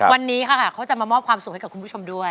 วันนี้ค่ะเขาจะมามอบความสุขให้กับคุณผู้ชมด้วย